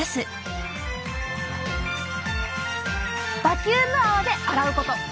「バキューム泡で洗うこと！」。